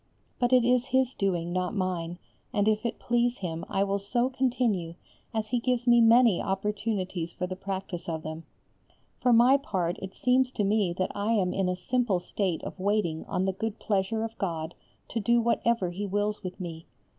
But it is His doing, not mine, and if it please Him I will so continue as He gives me many opportunities for the practice of them. For my part it seems to me that I am in a simple state of waiting on the good pleasure of God to do whatever He wills with me.